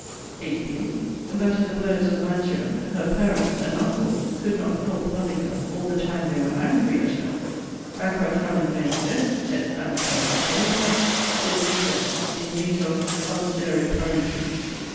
EIGHTHLY, That, in the words of Mantuan, her 'parents' and 'uncles' could not 'help loving her' all the time they were 'angry at her': 'Æqua tamen mens est, & amica voluntas, Sit licet in natos austere parentum.'